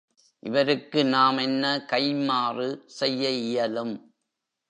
இவருக்கு நாம் என்ன கைம்மாறு செய்ய இயலும்?